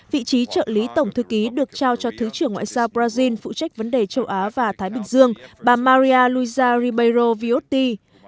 vị trí trợ lý tổng thư ký được trao cho thứ trưởng ngoại giao brazil phụ trách vấn đề châu á và thái bình dương bà maria luiza ribero vioti